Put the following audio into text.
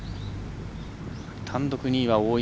単独２位は大岩。